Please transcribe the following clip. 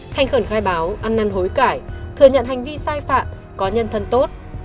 sai báo ăn năn hối cải thừa nhận hành vi sai phạm có nhân thân tốt